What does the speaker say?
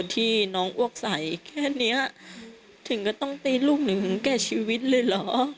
ที่น้องอ้วกใสแค่นี้ถึงก็ต้องตีลูกหนึ่งถึงแก่ชีวิตเลยเหรอ